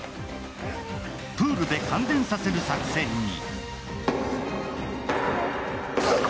プールで感電させる作戦に。